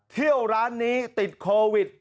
เที่ยวร้านนี้ติดโควิด